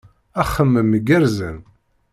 Axemmem igerrzen!